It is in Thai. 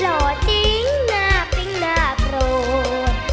หลอจริงหน้าเป็นหน้ากรด